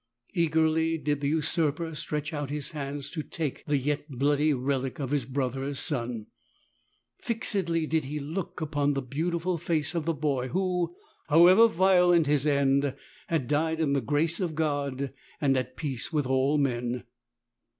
Eagerly did the usurper stretch out his hands to take the yet bloody relic of his brother's son. Fixedly did he look upon the beautiful face of the boy who, however violent his end, had died in the grace of God and at peace with all men.